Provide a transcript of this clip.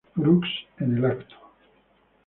Preux en el evento.